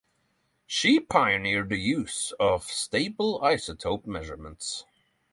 She pioneered the use of stable isotope measurements.